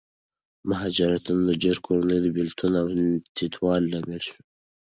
مهاجرتونه د ډېرو کورنیو د بېلتون او تیتوالي لامل شوي دي.